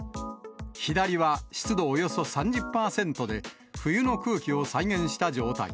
左は湿度およそ３０％で、冬の空気を再現した状態。